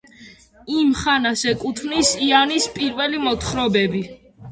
იმ ხანას ეკუთვნის იანის პირველი მოთხრობები.